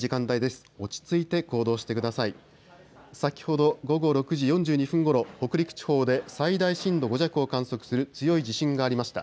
先ほど午後６時４２分ごろ、北陸地方で最大震度５弱を観測する強い地震がありました。